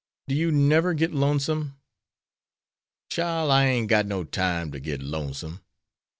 Do you never get lonesome?" "Chile, I ain't got no time ter get lonesome.